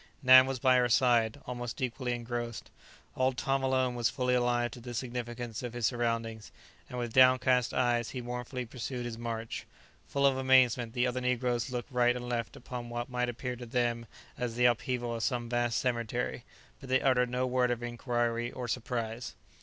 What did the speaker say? Nan was by her side, almost equally engrossed. Old Tom alone was fully alive to the significance of his surroundings, and with downcast eyes he mournfully pursued his march. Full of amazement, the other negroes looked right and left upon what might appear to them as the upheaval of some vast cemetery, but they uttered no word of inquiry or surprise.